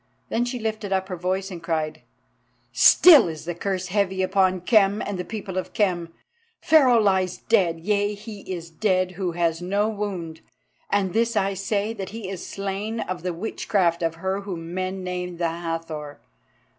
Then she lifted up her voice and cried: "Still is the curse heavy upon Khem and the people of Khem. Pharaoh lies dead; yea, he is dead who has no wound, and this I say, that he is slain of the witchcraft of her whom men name the Hathor.